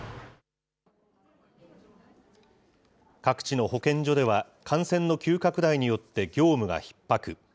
各地の保健所では、感染の急拡大によって業務がひっ迫。